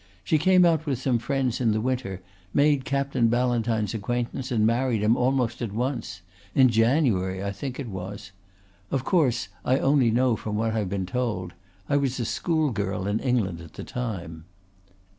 She came out with some friends in the winter, made Captain Ballantyne's acquaintance and married him almost at once in January, I think it was. Of course I only know from what I've been told. I was a schoolgirl in England at the time."